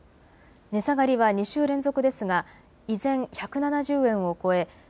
値下がりは２週連続ですが依然、１７０円を超え